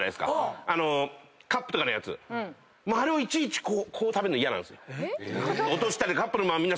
もうあれをいちいちこう食べるの嫌なんですよ。